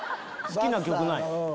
好きな曲ないの？